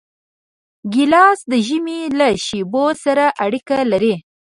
ګیلاس د ژمي له شېبو سره اړیکه لري.